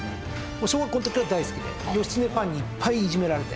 もう小学校の時から大好きで義経ファンにいっぱいいじめられて。